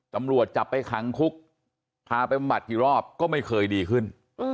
ตำรวจจับไปขังคุกพาไปบำบัดกี่รอบก็ไม่เคยดีขึ้น